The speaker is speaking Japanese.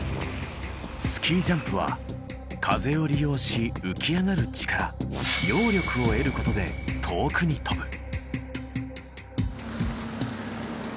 スキージャンプは風を利用し浮き上がる力揚力を得ることで遠くに飛ぶ。